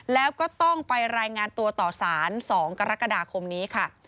แล้วก็ต้องไปรายงานตัวต่อสาร๒กรกฎาคมนี้ค่ะ